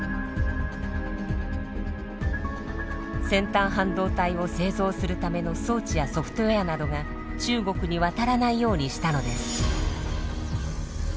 先端半導体を製造するための装置やソフトウエアなどが中国に渡らないようにしたのです。